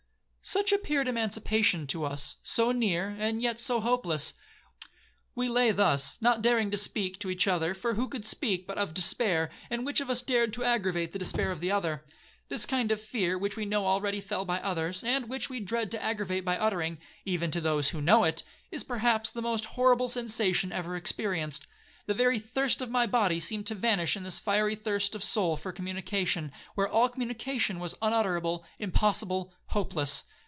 'Such appeared emancipation to us,—so near, and yet so hopeless. We lay thus, not daring to speak to each other, for who could speak but of despair, and which of us dared to aggravate the despair of the other. This kind of fear which we know already felt by others, and which we dread to aggravate by uttering, even to those who know it, is perhaps the most horrible sensation ever experienced. The very thirst of my body seemed to vanish in this fiery thirst of the soul for communication, where all communication was unutterable, impossible, hopeless.